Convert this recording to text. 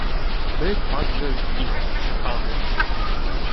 "my także z nich usychamy."